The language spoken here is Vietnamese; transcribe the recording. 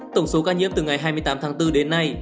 tổng số ca nhiễm từ ngày hai mươi tám tháng bốn đến nay